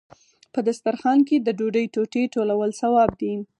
په دسترخان کې د ډوډۍ ټوټې ټولول ثواب دی.